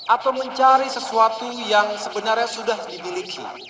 atau mencari sesuatu yang sebenarnya sudah dimiliki